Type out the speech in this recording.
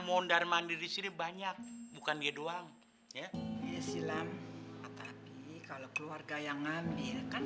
mondar mandiri siri banyak bukan dia doang ya silam kalau keluarga yang ngambil kan